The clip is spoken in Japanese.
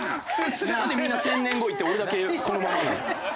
なんでみんな１０００年後いって俺だけこのままなの？